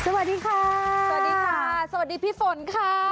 สวัสดีค่ะสวัสดีค่ะสวัสดีพี่ฝนค่ะ